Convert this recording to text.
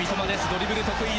ドリブル得意。